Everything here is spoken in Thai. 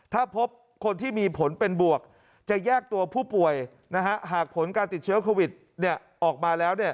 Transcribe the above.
ถ้าพบคนที่มีผลเป็นบวกจะแยกตัวผู้ป่วยหากผลการติดเชื้อโควิดออกมาแล้ว